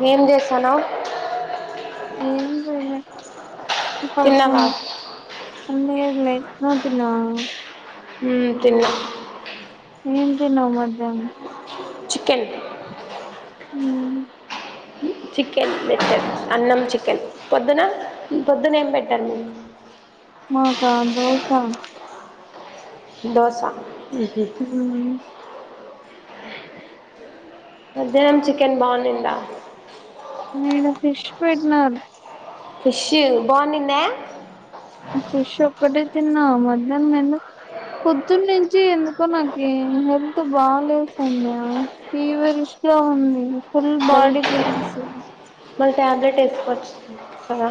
మేమ్ జెస్తనవ్. ఏం జేయలే. తిన్నావా [unintelligible] మ్మ్, తిన్నా. ఏం తిన్నావు మధ్యానం. చికెన్. మ్మ్ హ చికెన్ పెట్టారు, అన్నం చికెన్, పొద్దున, పొద్దున ఏం పెట్టరు మీ. మాకా దోసా. దోసా. ఉమ్. మధ్యానం చికెన్ బాగుండిందా. నేను ఫిష్ పెటీనాను. ఫిషు బాగుండింద. తిన్నావా మధ్యానం ఎందు. పొద్దున్న నుంచి ఎందుకో నాకి, హెల్త్ బాలేకుండే, ఆ ఫీవర్ వొష్. గా ఉంది, ఫుల్ బాడీ పెయిన్సు. మన టాబ్లెట్, వేస్ కొచ్చు కదా.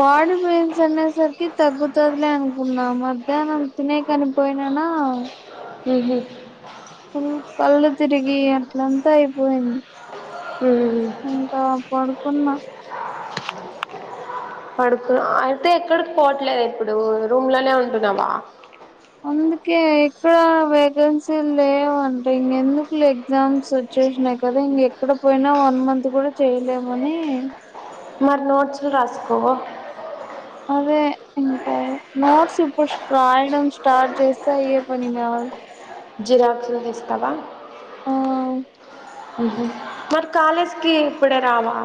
బాడీ పెయిన్స్ అనేసరికి తగ్గుతదిలే, అనుకున్నా, మధ్యానం తినే కని. పోయినానా. ఉహు హు. ఫుల్లు కళ్ళు తిరిగి, అట్ల అంత అయిపోయింది. మ్మ్. ఇంకా, పడుకున్నా. పడుకున్నా అయితే, ఎక్కడికి పోవట్లే ఇప్పుడు, రూమ్ లనే ఉంటున్నావా. అందుకే ఎక్కడ వేకెన్సీల్ లేవంటే ఇంక ఎందుకు ఎగ్జామ్స్ ఓచ్చేసి. న్నాయి కదా ఇంక ఎక్కడ పోయినా వన్ మంత్ కూడా చేయలేమనీ. మరి నోట్స్లు రాసుకోవా. అదే ఇంకా. అఆ నోట్స్ ఇప్పుడు, స్టరాయడం స్టార్ట్ జెస్తా అయ్యే పని గాదు. జిరాక్స్లు తీస్తావా. అవు. మరి కాలేజ్కిి ఇప్పుడే రావా.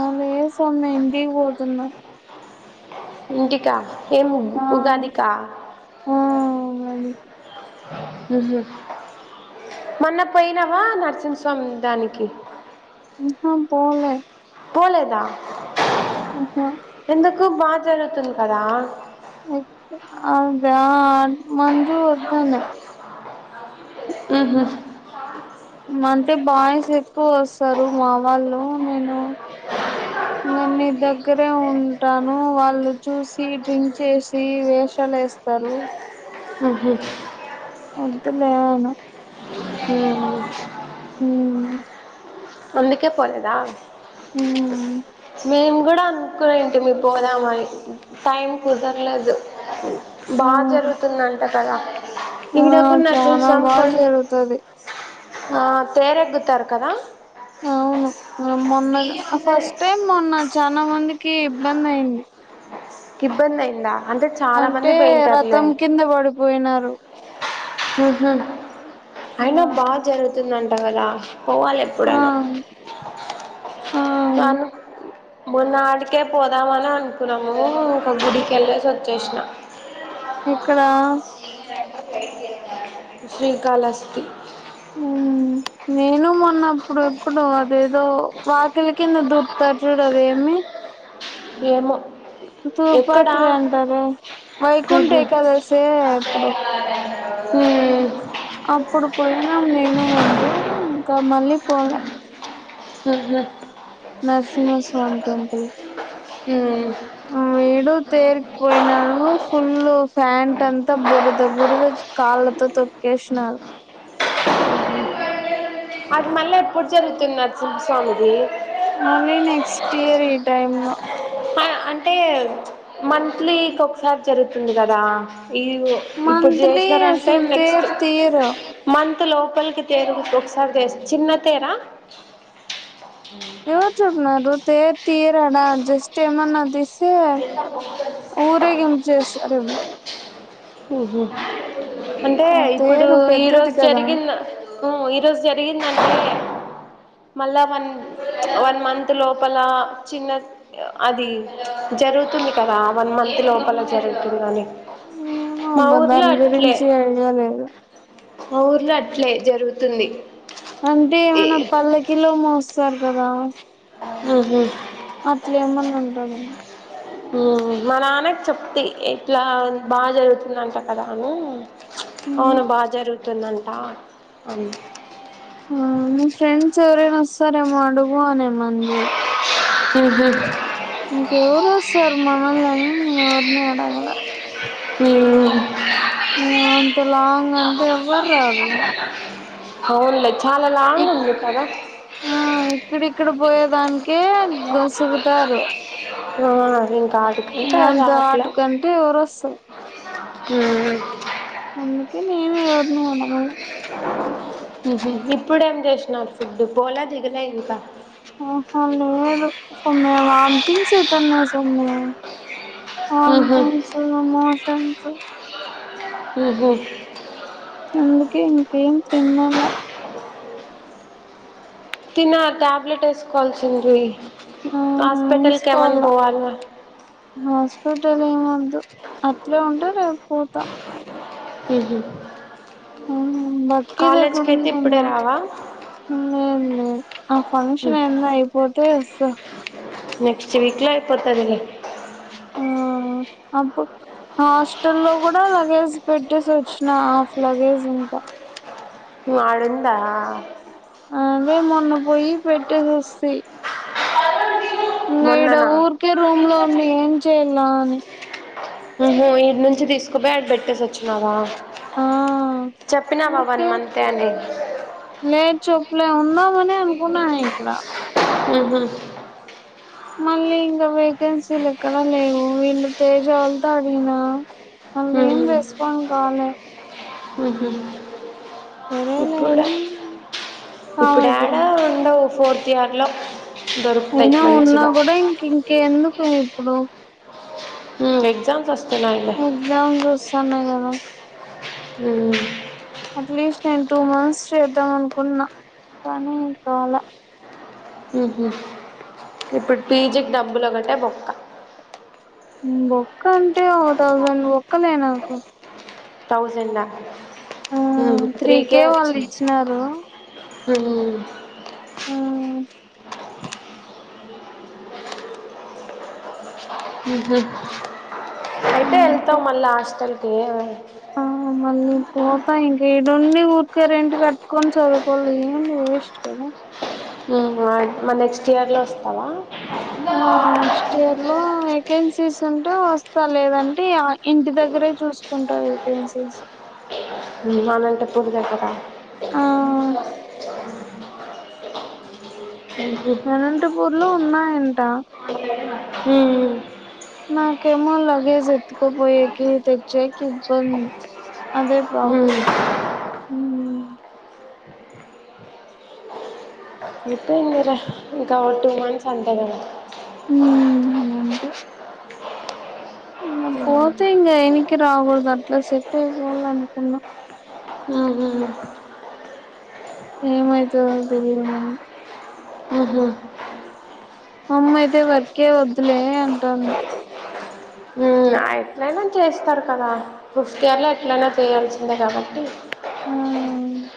అలడేస్ అని, నేను ఇంటి వొతున్నా. ఇంటికా, ఏమ్ ఉగ్, ఆ ఉగాదికా. అవి. ఉహు మొన్న పోయినావా నరసింహస్వామి దానికి. హుమ్ పోలె. పోలేదా. ఇంకా. ఎక్కో, బాతరతం కదా. ఆ దా మంజు వద్దన్న. ఉహు. మంటే బాయ్స్ ఎక్కువ వొస్తారు, మా వాళ్ళు నేను. ఇంగ నీ దగ్గరే ఉంటాను, వాళ్ళు చూసి డ్రింక్ చేసి, వేష్. చలేస్తారు. ఉహు. అంతే లేనా [unintelligible] ఊ అందుకే పోలేదా ఉమ్ మేము కూడా అనుకునే ఏంటి మీ పోదామని టైం కుదరలేదు, ఆ బా జరుగుతుందంట కదా ఆ కింద కూడా చానా నరసింహస్వామి బాగా కొండ జరుగుతది ఆ తేర ఎక్కుతారు కదా అవును మొన్నగా ఫస్ట్ టైమ్ మొన్న చాలా మందికి ఇబ్బంది అయింది. ఇబ్బంది అయిందా అంటే చాలా అంటే మంది పోయింటారులే, రథం కింద పడిపోయినారు ఉహు ఆ అయినా బాగా జరుగుతుందంట కదా పోవాలి ఆ ఎప్పుడైనా ఆ చను మొన్న ఆడికే పోదామని అనుకున్నాము ఇంకా గుడికిెళ్ళేసి వచ్చేసిన, ఇక్కడ శ్రీకాలఅస్తి హ్మ్ [unintelligible] నేను మొన్నప్పుడు ఎప్పుడు అదేదో వాకిల కింద దుర్తారు చూడు అదేమి ఏమో ఎక్కడ తూర్పాకిలి అంటారే వైకుంఠ ఉ ఏకాదశే ఎప్పుడో అప్పుడు పోయినాం నేను మంజు ఇంకా మళ్ళీ పోలే ఆహా నరసింహస్వామి టెంపుల్ ఊ తేరుకిపోయినాడు ఫుల్ ఫ్యాంట్ అంతా బురద బురద కాళ్ళతో తొకి చేచిన్నారు అది మళ్ళీ ఎప్పుడు జరుగుతున్నారు సింప్ సాంగ్దిి మళ్ళీ నెక్స్ట్ ఇయర్ ఈ టైమ్ లో అంటే మంత్లీకి ఒకసారి జరుగుతుంది. కదా ఇ ఇప్పుడు మంత్లీ చేసినారంటే అసలు నెక్స్ట్ తేరు తీయరు మంత్ త్ లోపలికి తీరు ఒకసారి చేస్త చిన్న తేరా ఎవరు చేపినారు తెరా తీయరానా జస్ట్ ఏమన్నా తీస్ అయితే ఊరేగింపు చేస్తారేమో, ఉహు అంటే ఆ ఇప్పుడు తేరు ఈ పెద్దది రోజు కదా జరిగింద ఈరోోజు జరిగిందంటే, [unintelligible] మళ్ళా వన్ వన్ మంత్ లోపల చిన్న అది జరు జరుగుతుంది కదా వన్ మంత్ లోపల జరుగుతుంది అని ఏమో మా అమ్మ ఊర్లో దాని అట్లే గురించి ఐడియా లేదు, మా ఊర్లో అట్లే జరుగుతుంది. అంటే ఏ ఏమైనా పల్లకిలో వస్తారు కదా ఉహు అట్లా ఏమన్నా ఉండఅన్ని మా నాన్నకు చెప్తే ఎట్లా బాగా జరుగుతుందంట కదాఅన్ని ఉమ్ అవును బాగా జరుగుతుందంట అ ఊ మీ ఫ్రెండ్స్ ఎవరైనా వస్తారేమో అడుగు అనేమందు. ఉహు ఇంకా ఎవరువస్తారు మనానలి నేను ఎవరిని అడాగలే ఏమోనే అంత లాంగ్ అంటే ఎవ్వరు రారు, హవులే చాలా లాంగ్ ఉంది కద ఆ ఇక్కడిక్కడ పోయేదానికే గసుగుతారు ఆ అదేం కాదు ఇంకా ఎవరు ఆపలే ఆటకంటే ఎవరు వస్తారు ఉహు అందుకే నేను ఎవర్నీ అడగలే ఇప్పుడుేం చేసినారు ఫుడ్ పోలే దిగలే ఇంకా ఆహా లేదు వంతింగ్స్ అవుతున్నాయి సొమ్ము ఉహు వంతింగ్స్ మోషన్స్ ఉహు అందుకే ఇక ఏం తన్నాల తిన ట్యాబ్లెట్ వేసుకోవాల్సింది ఆ హాస్పిటల్ కు ఏమైన్నా వేయించుకోవాల పోవాలా హాస్పిటల్ ఏం వద్దు అట్లే ఉంటే రేపు పోతా ఉహు హ్మ్మ్ బకి కాలేజ్కి అయితే ఇప్పుడే లేకున్నా రావా ఏం లే ఆ ఫంక్షన్ ఎందో అయిపోతే అసలు నెక్స్ట్ వీక్లో అయిపోతదిలే అపు హాస్టల్ లో కూడా లగేజ్ పెట్టేసి వచ్చిన హాఫ్ లగేజ్ ఇంకా ఆడుందా అదే మొన్న పోయి ఇకా ఇడ మొన్ననా ఊరికే రూమ్ లో ఉండి ఏం చెయలా అని ఉహు ఇడి నుంచి తీసుకుపోయి ఆడ పెట్టేసి వచ్చినావా ఆ చెప్పినావా వన్ ఊరికే మంత్ లేదు చెప్పులే ఉన్నామని అనుకున్నాను ఇక్కడ ఉహు మళ్ళీ ఇంకా వేకెన్సీలు ఎక్కడా లేవు వీళ్ళు తేజ వోలతో అడిగినా వాళ్ళు ఉహు ఏం రెస్పాండ్ కాలే ఉహు సరేలే ఇప్పుడ అని కామ్ ఇప్పుడు యాడ అయిపోయినా ఉండవు ఫోర్ తీవన్లో అయినా ఉన్నా కూడా ఇంక ఇంక ఎందుకు ఇప్పుడు హ్మ్మ్ ఎక్జామ్స్ వస్త ఎగ్జామ్స్ వస్తన్నాయి కదా హ్మ్మ్ అట్లీస్ట్ నేను టూ మంత్స్ చేద్దాం అనుకున్నా కానీ కాల ఉహు ఇప్పుడు పీజీకి డబ్బులు ఒకటే బొక్క బొక్క అంటే ఓ థౌజండ్ బోక్కలే నాకు థౌజండ్ ఆ ఆ త్రీ కే ఇచ్చ హ్మ్మ్ అ రేపే అంతే వెళ్తావా మళ్ళీ హాస్టల్కి ఆ మల్లి పోతా ఇంకా ఏం నుండి ఊరిక రెంటు కట్టుకొని చదువుకోవాలి ఏంటి వేస్ట్ కదా మ నెక్స్ట్ ఇయర్ లో వస్తావా ఆ నెక్ట్ ఇయర్ లో వేకన్సిస్ ఉన్న వస్తా లేదంటే ఇంటి దగ్గరే చూసుకుంటా వేకెన్సీస్ వల్లంతపూడిగా అయితర ఆ ఉహు. అనంతపూర్ లో ఉన్నాయంట హ్మ్మ్ నాకేమో లగేజ్ ఎత్తుకోపోయేకి తెచేకి ఇబ్బంది అదే ఉమ్. ప్రాబ్లమ్ ఇప్పు ఇర ఇంకా టూ మంత్స్ అంటద హ అంతే ఇ పోతే ఇం ఎంటికి రాకూడదు అట్లా సెట్ అయిపోల అనుకున్నా ఆహా ఏమైతుందో తెలియదు మం ఉహ మమ్మ అయితే వర్కే వద్దులే అంటాను ఎట్నా చేస్తారు కదా కుుఫయాలో ఎట్లయినా చేయాల్సిందే కాబట్టి ఆ అ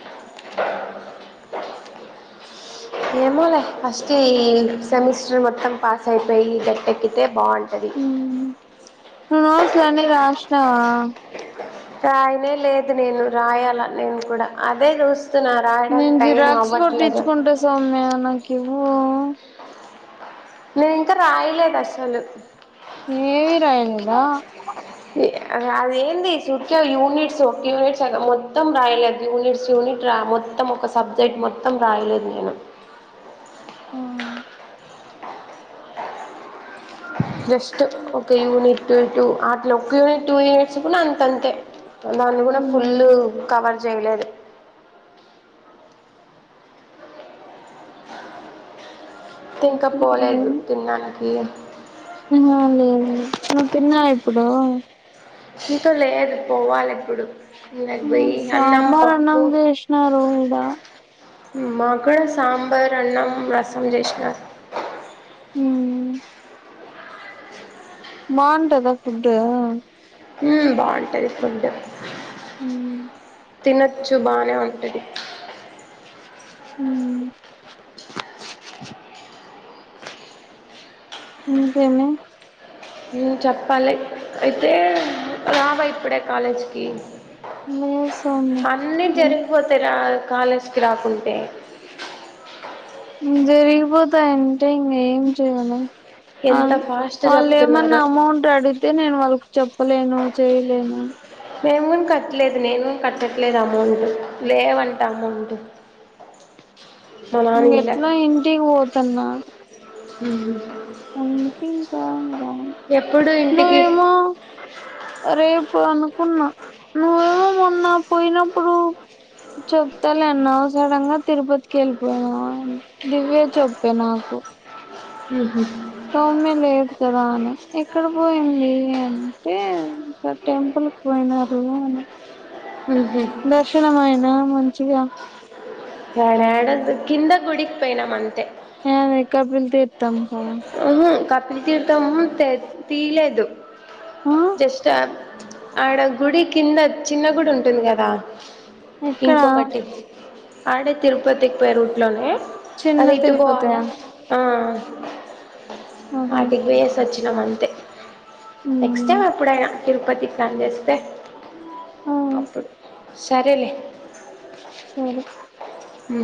ఏమోలే ఫస్ట్ ఈ సెమిస్టర్ మొత్తం పాస్ అయిపోయి గట్టెక్కితే బాగుంటుంది అది నువు నోట్స్ లని రాసినావా రాయనే లేదు నేను రాయాల నేను కూడా అదే చూస్తా నేను జిరాక్స్ పట్టించుకుంటా సౌమ్య నాకివ్వు నింకా రాయిలేదు అసలు ఏమి రాయలేదా ఆడేది చుటిక యూనిట్స్ ఒక యూనిట్స్ మొత్తం రాయలేదు యూనిట్స్ యూనిట్ మొత్తం ఒక సబ్జెక్ట్ మొత్తం రాయలేదు నేను ఆ జస్ట్ ఒక యూనిట్ ట టూ అట్లో ఒక యూనిట్ టూ యూనిట్స్ కూడా అంత అంతే దాన్ని కూడా ఫుల్ మ్ కవర్ చేయలేదు తంక ఓకే పోలేదు ఏమో తిన్నాడానికి ఆ లేదులే నువ్వు తిన్నా ఇప్పుడు ఇంకో లేదు పోవాలి ఎప్పుడు నాగ ఆ భయి అన్నం సాంబార్ పప్పుూ అన్నం చేసినారు ఈడ మకుడ సాంబార్ అన్నం రసం చేసినారు మ్ బావుంటదా ఫడ్ బాగుంటది ఫుడ్ హు తినొచ్చు బానే ఉంటది హ ఇక ఏమి చెప్పాలి అయితే రావా ఇప్పుడే కాలేజ్కి లేస్తుంది అన్నీ జరిగిపోతాయి రా కాలేజకి రాకుంటే జరిగిపోతా అంటే ఇంక ఏం చెయాలి అ ఎంత ఫాస్ట్ వాళ్ళు ఏమన్నా చెప్తున్నారు అమౌంట్ అడిగితే నేను వాళ్ళ చెప్పలేను చేయలేను మేముని కట్టలేదు నేను కట్టట్లేదు అమౌంట్ లేవంట అమౌంట్ మా నాన్న ఇంగ ఇలా ఎట్లా ఇంటికి పోతన్నా హ అకంట రా ఎప్పుడు నువ్వు ఇంటికి ఏమో రేపు అనుకున్నా నువ్వేమో ఉన్నా పోయినప్పుడు చెప్తాలేన్నా సడన్ గా తిరుపతికి వెళ్ళిపోయినా దివ్య చెప్పే నాకు హ సౌమ్య లేదు కదా అని ఎక్కడ పోయింది అంటే ఇంకా టెంపుల్ పోయినారు అని ఉహు దర్శనం అయ్యిందా మంచిగా ఏడ ఏడది కింద గుడికి పోయినాం అంతే యామి కపిలతీర్థం కా ల్ తీర్ధం తె తీయలేదు ఆ జస్ట్ ఆ ఆడ గుడి కింద చిన్న గుడి ఉంటుంది కదా ఎక్కడ ఇంకొకటి ఆడే తిరుపతి కి పోయే రూట్ లోనే చిన్న అదే ఇటు తిరుపతి పోవాలా ఆ ఆహా వాటికి పోయేసి వచ్చినాం అంతే నెక్స్ట్ ఉమ్ టైం ఎప్పుడైనా తిరుపతి కి ప్లాన్ చేస్తే ఆ అప్పుడు సరేలే సరే ఊ